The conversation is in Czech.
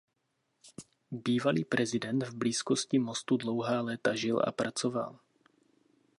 Bývalý prezident v blízkosti mostu dlouhá léta žil a pracoval.